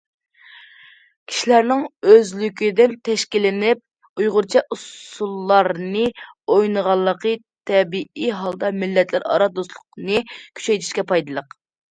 كىشىلەرنىڭ ئۆزلۈكىدىن تەشكىللىنىپ ئۇيغۇرچە ئۇسسۇللارنى ئوينىغانلىقى تەبىئىي ھالدا مىللەتلەر ئارا دوستلۇقنى كۈچەيتىشكە پايدىلىق.